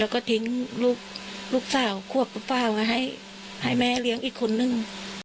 แล้วก็ทิ้งลูกสาวควบคุณป้าไว้ให้แม่เลี้ยงอีกคนนึง